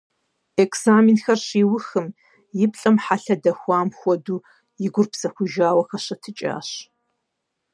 Экзаменхэр щиухым, и плӀэм хьэлъэ дэхуам хуэдэу, и гур псэхужауэ хэщэтыкӀащ.